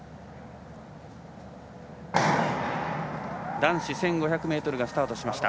男子１５００ｍがスタートしました。